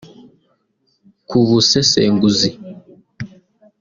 kubusesenguzi